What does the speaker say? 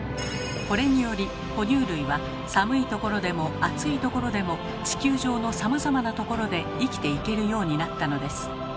これにより哺乳類は寒いところでも暑いところでも地球上のさまざまなところで生きていけるようになったのです。